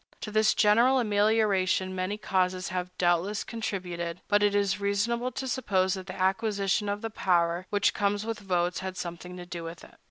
To this general amelioration many causes have doubtless contributed; but it is reasonable to suppose that the acquisition of the power which comes with votes has had something to do with it.